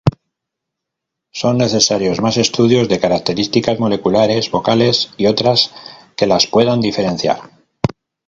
Son necesarios más estudios de características moleculares, vocales y otras que las puedan diferenciar.